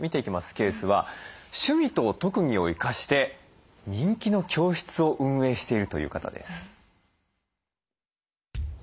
ケースは趣味と特技を生かして人気の教室を運営しているという方です。